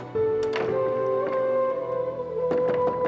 baik ini kesekitan ketika saya bahas kota